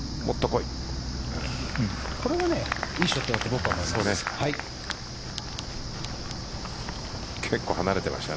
これはいいショットだと僕は思います。